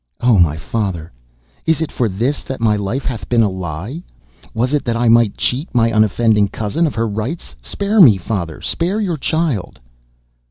"Oh; my father, is it for this my life hath been a lie! Was it that I might cheat my unoffending cousin of her rights? Spare me, father, spare your child!"